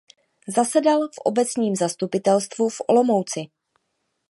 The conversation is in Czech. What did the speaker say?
Zasedal v obecním zastupitelstvu v Olomouci.